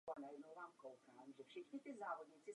Je vhodná pro výsadbu do skalek i do záhonů.